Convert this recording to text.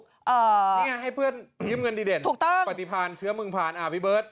นี่ไงให้เพื่อนยืมเงินดีเด่นปฏิพานเชื้อเมืองผันพี่เบิร์ท